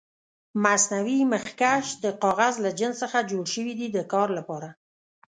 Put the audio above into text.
مصنوعي مخکش د کاغذ له جنس څخه جوړ شوي دي د کار لپاره.